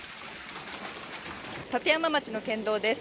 立山町の県道です。